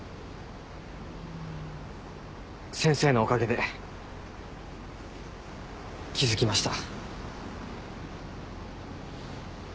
先生のおかげで気付きました。